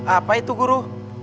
apa itu guru